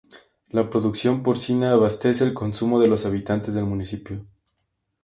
La producción porcina, abastece el consumo de los habitantes del municipio.